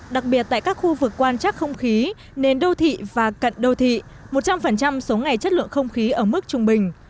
đặc biệt tại các khu vực quan trắc không khí nền đô thị và cận đô thị một trăm linh số ngày chất lượng không khí ở mức trung bình